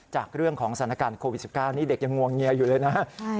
จากเรื่องของสถานการณ์โควิด๑๙นี่เด็กยังงวงเงียอยู่เลยนะ